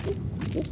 おっ？